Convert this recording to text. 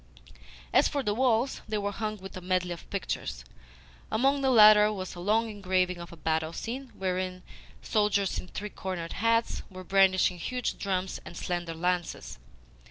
As for the walls, they were hung with a medley of pictures. Among the latter was a long engraving of a battle scene, wherein soldiers in three cornered hats were brandishing huge drums and slender lances.